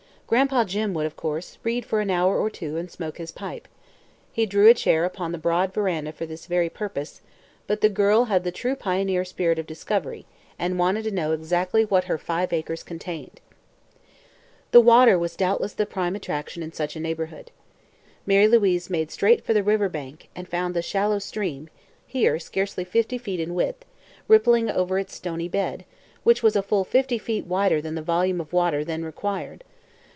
Gran'pa Jim would, of course, read for an hour or two and smoke his pipe; he drew a chair upon the broad veranda for this very purpose; but the girl had the true pioneer spirit of discovery and wanted to know exactly what her five acres contained. The water was doubtless the prime attraction in such a neighborhood. Mary Louise made straight for the river bank and found the shallow stream here scarce fifty feet in width rippling along over its stony bed, which was a full fifty feet wider than the volume of water then required.